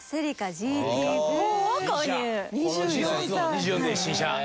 ２４で新車。